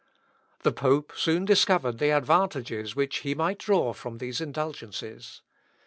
The pope soon discovered the advantages which he might draw from these indulgences.